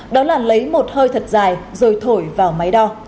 đó là lấy một hơi thật dài rồi thổi vào máy đo